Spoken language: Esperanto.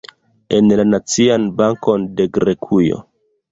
En la Nacian Bankon de Grekujo.